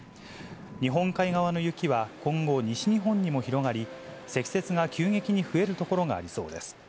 日本海側の雪は今後、西日本にも広がり、積雪が急激に増える所がありそうです。